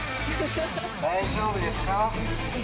大丈夫ですか？